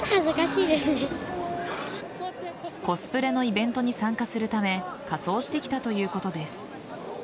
コスプレのイベントに参加するため仮装してきたということです。